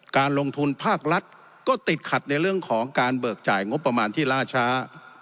การลงทุนภาครัฐก็ติดขัดในเรื่องของการเบิกจ่ายงบประมาณที่ล่าช้า